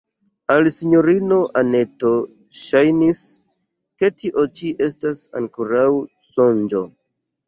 Al sinjorino Anneto ŝajnis, ke tio ĉi estas ankoraŭ sonĝo.